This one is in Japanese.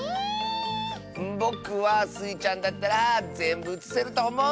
ぼくはスイちゃんだったらぜんぶうつせるとおもう！